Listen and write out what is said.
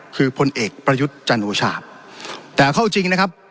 คือพลเอกประยุทธ์จันโอชาแต่เข้าจริงนะครับ